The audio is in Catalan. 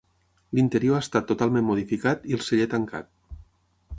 L'interior ha estat totalment modificat i el celler tancat.